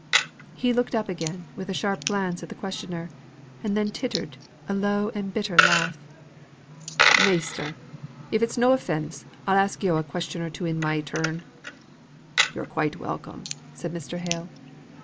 He looked up again, with a sharp glance at the questioner; and then tittered a low and bitter laugh. "Measter! if it's no offence, I'll ask yo' a question or two in my turn." "You're quite welcome," said Mr. Hale.